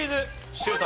シュート！